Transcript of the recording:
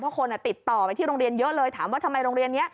ไปที่โรงเรียนเยอะเลยถามว่าทำไมโรงเรียนนี้